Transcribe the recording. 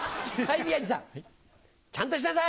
宮治さん、ちゃんとしなさい！